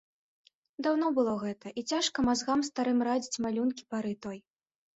Даўно было гэта, і цяжка мазгам старым радзіць малюнкі пары той.